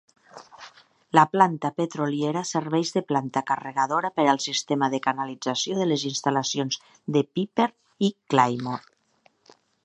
La planta petroliera serveix de planta carregadora per al sistema de canalització de les instal·lacions de Piper i Claymore.